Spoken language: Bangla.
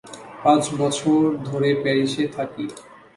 পাঁচ বছর ধরে প্যারিসে থাকি।